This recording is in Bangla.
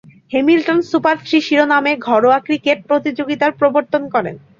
হ্যামিল্টন সুপার থ্রি শিরোনামে ঘরোয়া ক্রিকেট প্রতিযোগিতার প্রবর্তন করেন।